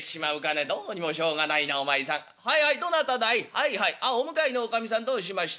はいはいお向かいのおかみさんどうしました？